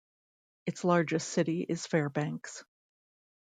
Its largest city is Fairbanks.